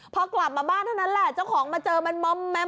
พอกลับมาบ้านเท่านั้นแหละเจ้าของมาเจอมันมอมแมม